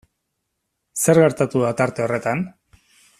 Zer gertatu da tarte horretan?